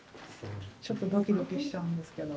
ちょっとドキドキしちゃうんですけど。